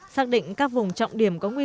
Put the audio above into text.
xác định các vùng trọng điểm có nguy cơ